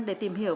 để tìm hiểu